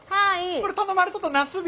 これ頼まれとったなすび。